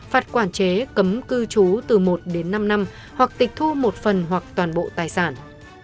phạt quản chế cấm cư trú từ một đến năm năm hoặc tịch thu một phần hoặc toàn bộ tài sản